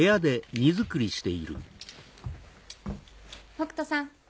北斗さん。